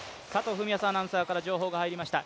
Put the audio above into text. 文康アナウンサーから情報が入りました。